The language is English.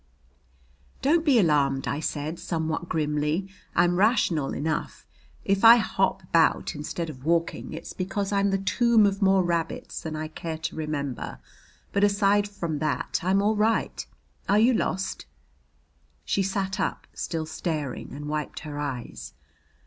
"Don't be alarmed," I said somewhat grimly. "I'm rational enough; if I hop about instead of walking, it's because I'm the tomb of more rabbits than I care to remember, but aside from that I'm all right. Are you lost?" She sat up, still staring, and wiped her eyes.